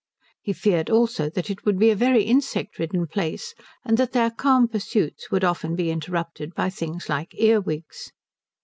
He feared also that it would be a very insect ridden place, and that their calm pursuits would often be interrupted by things like earwigs.